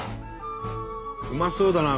うまそうだなこれ。